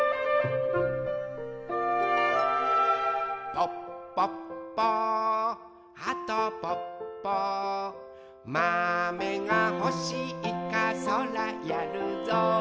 「ぽっぽっぽはとぽっぽ」「まめがほしいかそらやるぞ」